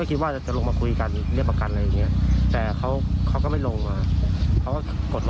ขันแรกตามกล้องแล้วเขาตกไปตกคันเพื่อนอีกขนนึง